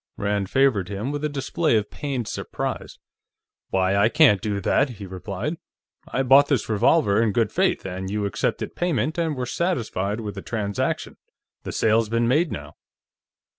Rand favored him with a display of pained surprise. "Why, I can't do that," he replied. "I bought this revolver in good faith, and you accepted payment and were satisfied with the transaction. The sale's been made, now."